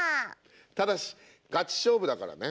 ただしガチ勝負だからね。